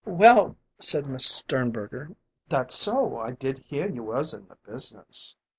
"Well," said Miss Sternberger, "that's so; I did hear you was in the business."